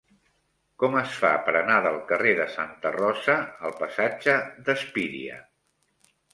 Com es fa per anar del carrer de Santa Rosa al passatge d'Espíria?